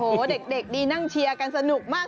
โอ้โหเด็กดีนั่งเชียร์กันสนุกมาก